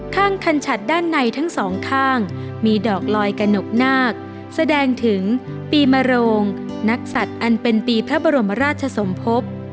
คันฉัดด้านในทั้งสองข้างมีดอกลอยกระหนกนาคแสดงถึงปีมโรงนักสัตว์อันเป็นปีพระบรมราชสมภพ